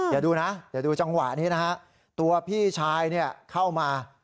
อย่าดูนะอย่าดูจังหวะนี้นะฮะตัวพี่ชายเนี่ยเข้ามา